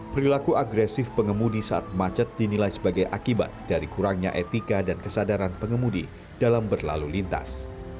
perilaku agresif pengemudi saat macet dinilai sebagai akibat dari kurangnya etika dan kesadaran pengemudi dalam berlalu lintas